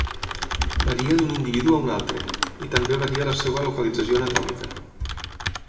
Varia d'un individu a un altre, i també varia la seva localització anatòmica.